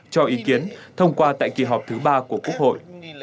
cho ý kiến thông qua tại kỳ họp thứ ba của quốc hội